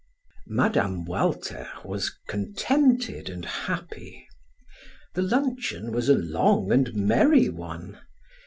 Mme. Walter was contented and happy. The luncheon was a long and merry one.